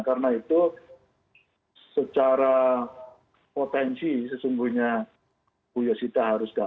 karena itu secara potensi sesungguhnya bu yosita harus dapat